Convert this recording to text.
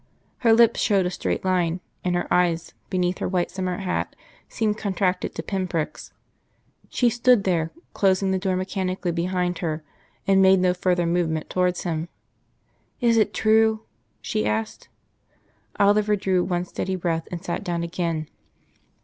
Her lips showed a straight line, and her eyes, beneath her white summer hat, seemed contracted to pinpricks. She stood there, closing the door mechanically behind her, and made no further movement towards him. "Is it true?" she said. Oliver drew one steady breath, and sat down again.